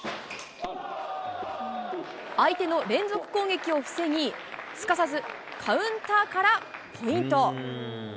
相手の連続攻撃を防ぎ、すかさずカウンターからポイント。